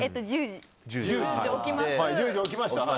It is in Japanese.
１０時に起きました。